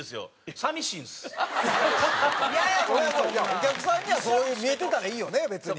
お客さんにはそう見えてたらいいよね別に。